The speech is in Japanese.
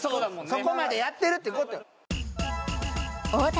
そこまでやってるってことよ